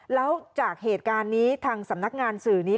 แล้วจากเหตุการณ์นี้ทางสำนักงานสื่อนี้